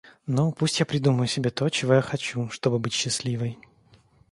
Ну, пусть я придумаю себе то, чего я хочу, чтобы быть счастливой.